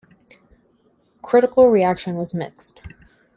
Critical reaction was mixed.